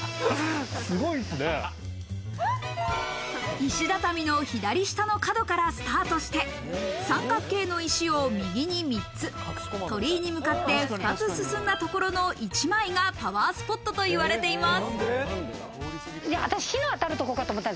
石畳の左下の角からスタートして、三角形の石を右に３つ、鳥居に向かって２つ進んだところの一枚がパワースポットといわれています。